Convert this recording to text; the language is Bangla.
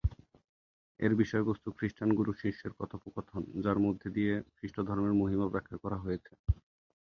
এর বিষয়বস্তু খ্রিস্টান গুরু-শিষ্যের কথোপকথন যার মধ্যে দিয়ে খ্রিস্ট ধর্মের মহিমা ব্যাখ্যা করা হয়েছে।